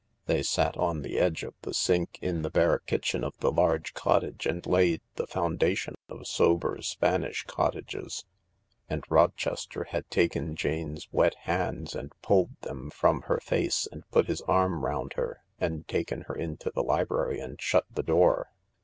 They sat on the edge of the sink in the bare kitchen of the large cottage and laid the foundation of sober Spanish cottages. And Rochester had taken Jane's wet hands and pulled them from her face, and put his arm round her, and taken her into the library and shut the door.